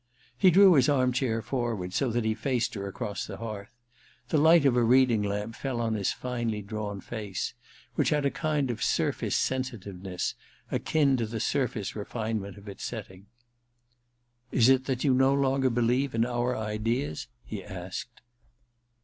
He drew his arm chair forward so that he faced her across the hearth. The light of a reading lamp fell on his finely drawn face, which had a kind of surface sensitiveness akin to the surface refinement of its setting. *Is it that you no longer believe in our ideas ?' he asked.